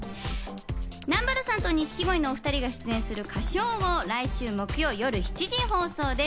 南原さんと錦鯉のお２人が出演する『歌唱王』は来週木曜日、夜７時放送です。